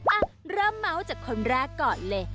อ่ะเริ่มเมาส์จากคนแรกก่อนเลย